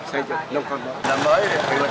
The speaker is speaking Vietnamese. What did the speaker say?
xây dựng nông phong bộ năm mới điện lực